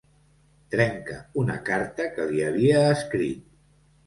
Trenca una carta que li havia escrit.